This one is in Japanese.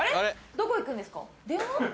どこ行くんですか？